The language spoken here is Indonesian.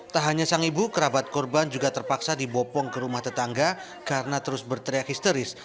tak hanya sang ibu kerabat korban juga terpaksa dibopong ke rumah tetangga karena terus berteriak histeris